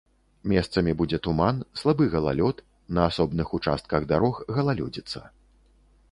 Месцамі будзе туман, слабы галалёд, на асобных участках дарог галалёдзіца.